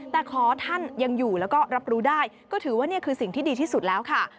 แต่ขอท่านยังอยู่แล้วก็รับรู้ได้ก็ถือว่านี่คือสิ่งที่ดีที่สุดแล้วค่ะ